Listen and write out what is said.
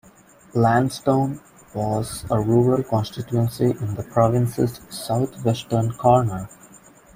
Lansdowne was a rural constituency in the province's southwestern corner.